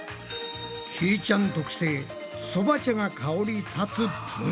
ひーちゃん特製そば茶が香りたつプリン！